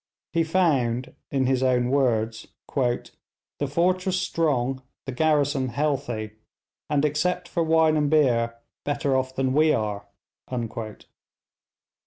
He found, in his own words, 'the fortress strong, the garrison healthy; and except for wine and beer, better off than we are.'